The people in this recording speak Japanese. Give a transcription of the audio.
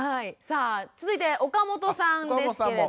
さあ続いて岡本さんですけれども。